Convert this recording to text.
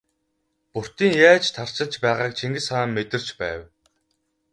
Бөртийн яаж тарчилж байгааг Чингис хаан мэдэрч байв.